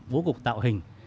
bố cục tạo hình